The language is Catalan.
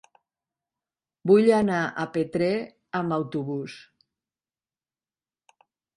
Vull anar a Petrer amb autobús.